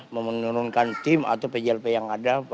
memenurunkan tim atau pjlp yang ada